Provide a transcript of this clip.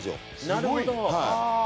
なるほど。